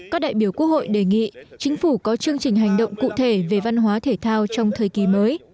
các đại biểu quốc hội đề nghị chính phủ có chương trình hành động cụ thể về văn hóa thể thao trong thời kỳ mới